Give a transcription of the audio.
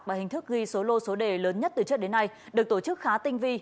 và hình thức ghi số lô số đề lớn nhất từ trước đến nay được tổ chức khá tinh vi